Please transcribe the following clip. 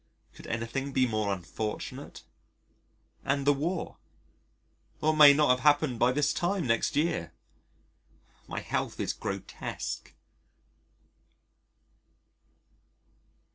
Could anything be more unfortunate? And the War? What may not have happened by this time next year? My health is grotesque.